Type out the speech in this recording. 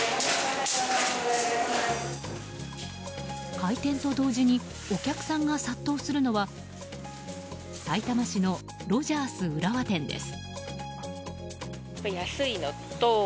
開店と同時にお客さんが殺到するのはさいたま市のロジャース浦和店です。